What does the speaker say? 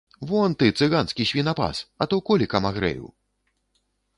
Вон ты, цыганскі свінапас, а то колікам агрэю.